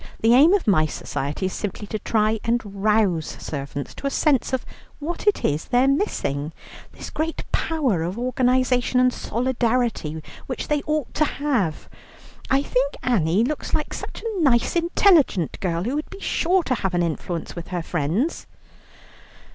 The aim of my Society is simply to try and rouse servants to a sense of what it is they're missing this great power of organization and solidarity which they ought to have. I think Annie looks such a nice intelligent girl, who would be sure to have an influence with her friends."